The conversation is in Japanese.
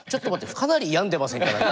かなり病んでませんか？